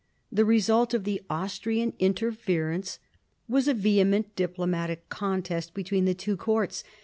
The result of the Austrian interference was a vehement diplomatic contest between the two courts.